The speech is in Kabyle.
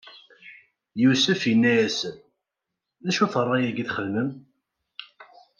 Yusef inna-asen: D acu-t ṛṛay-agi i txedmem?